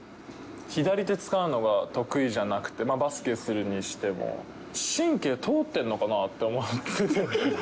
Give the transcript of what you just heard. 左手使うのが得意じゃなくて、バスケするにしても、神経通ってるのかなって思って。